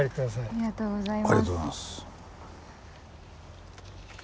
ありがとうございます。